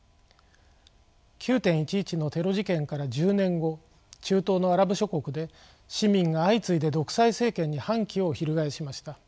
９．１１のテロ事件から１０年後中東のアラブ諸国で市民が相次いで独裁政権に反旗を翻しました。